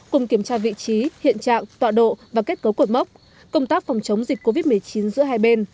cùng kiểm tra vị trí hiện trạng tọa độ và kết cấu cột mốc công tác phòng chống dịch covid một mươi chín giữa hai bên